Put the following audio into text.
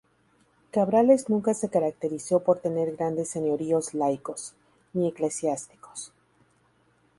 Cabrales nunca se caracterizó por tener grandes señoríos laicos, ni eclesiásticos.